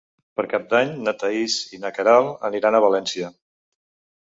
Per Cap d'Any na Thaís i na Queralt aniran a València.